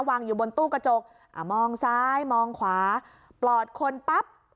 วางอยู่บนตู้กระจกอ่ามองซ้ายมองขวาปลอดคนปั๊บ